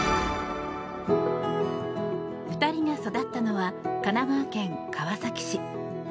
２人が育ったのは神奈川県川崎市。